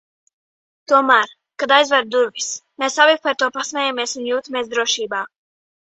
Tomēr, kad aizveru durvis, mēs abi par to pasmejies un jūtamies drošībā.